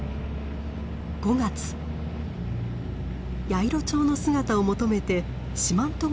ヤイロチョウの姿を求めて四万十